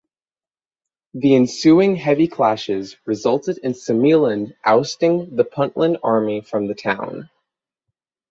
The ensuing heavy clashes resulted in Somaliland ousting the Puntland army from the town.